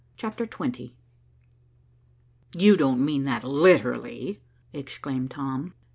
CHAPTER XX "You don't mean that literally," exclaimed Tom.